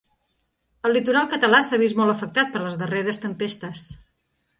El litoral català s'ha vist molt afectat per les darreres tempestes.